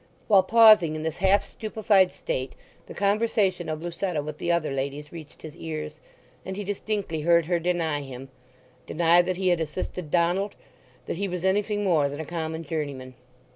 While pausing in this half stupefied state the conversation of Lucetta with the other ladies reached his ears; and he distinctly heard her deny him—deny that he had assisted Donald, that he was anything more than a common journeyman.